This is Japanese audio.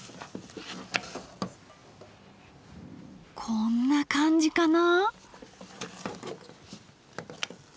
こんな感じかな？